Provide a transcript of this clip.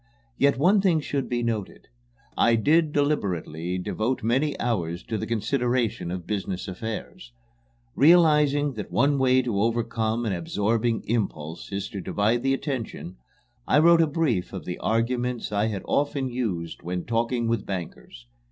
Yet one thing should be noted: I did deliberately devote many hours to the consideration of business affairs. Realizing that one way to overcome an absorbing impulse is to divide the attention, I wrote a brief of the arguments I had often used when talking with bankers.